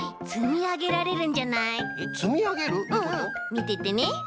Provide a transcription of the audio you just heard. みててね。